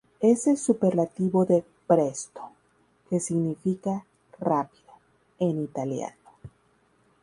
Es el superlativo de "presto" que significa "rápido" en italiano.